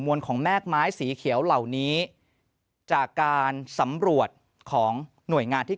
ของแม่กไม้สีเขียวเหล่านี้จากการสำรวจของหน่วยงานที่